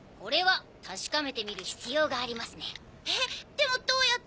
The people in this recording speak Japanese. でもどうやって？